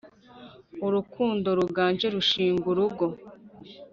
urukundo ruganje gushinga urugo